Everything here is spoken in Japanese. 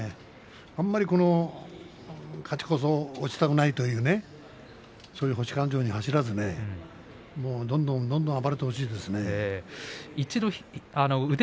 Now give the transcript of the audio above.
あまり勝ち越そうと落ちたくないというそういう星勘定に走らずどんどん暴れてほしいですね。